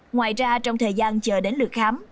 ngoài ra trong thời gian chờ đến lượt khám